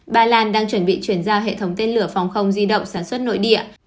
ba lan đang chuẩn bị chuyển giao hệ thống tên lửa phòng không di động sản xuất nội địa